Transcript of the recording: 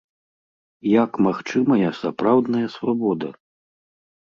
Як магчымая сапраўдная свабода?